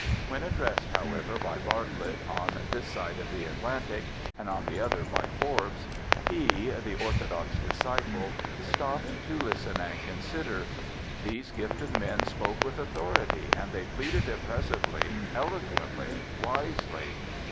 ... When addressed, however, by Bartlett, on this side of the Atlantic, and on the other by Forbes, he (the orthodox disciple) stopped to listen and consider. These gifted men spoke with authority ; they pleaded impressively, eloquently, wisely.